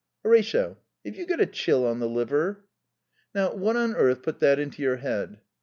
"Horatio, have you got a chill on the liver?" "Now, what on earth put that into your head?"